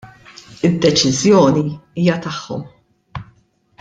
Id-deċiżjoni hija tagħhom.